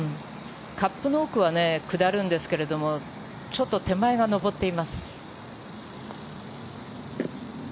カップの奥は下るんですけどちょっと手前が上っています。